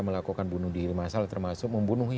melakukan bunuh diri masal termasuk membunuh